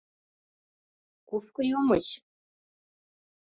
Кушко йомыч?